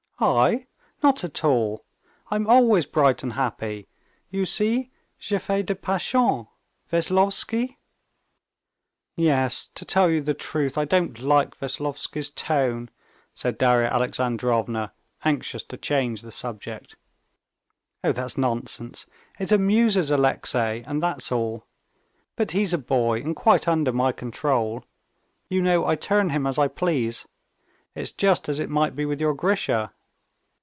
"I? Not at all! I'm always bright and happy. You see, je fais des passions. Veslovsky...." "Yes, to tell the truth, I don't like Veslovsky's tone," said Darya Alexandrovna, anxious to change the subject. "Oh, that's nonsense! It amuses Alexey, and that's all; but he's a boy, and quite under my control. You know, I turn him as I please. It's just as it might be with your Grisha....